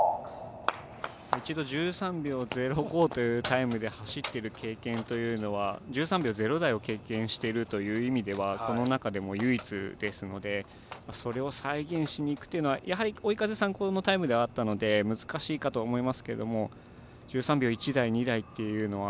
一度１３秒０５というタイムで走っている経験というのは１３秒０台を経験してるという意味ではこの中でも唯一ですのでそれを再現しにいくというのは追い風参考のタイムではあったので、難しいとは思いますけども１３秒１台、２台っていうのは